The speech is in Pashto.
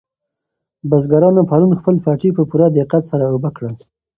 بزګرانو پرون خپل پټي په پوره دقت سره اوبه کړل.